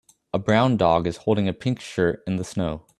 A brown dog is holding a pink shirt in the snow